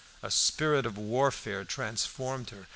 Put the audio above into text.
A spirit of warfare transformed her.